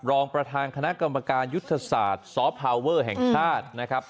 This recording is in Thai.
รองประธานคณะกรรมการยุทธศาสตร์ซอฟพาวเวอร์แห่งชาตินะครับ